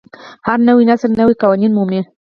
هر نوی نسل نوي قوانین مومي.